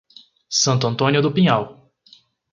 Santo Antônio do Pinhal